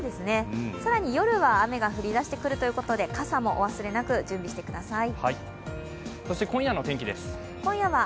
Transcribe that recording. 夜は雨が降りだしてくるということで傘もお忘れなく準備してください。